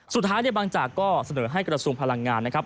สุดท้ายบางจากก็เสนอให้กระทรวงพลังงานนะครับ